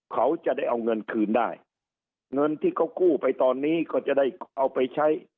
เขาจะได้เอาเงินคืนได้เงินที่เขากู้ไปตอนนี้ก็จะได้เอาไปใช้